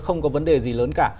không có vấn đề gì lớn cả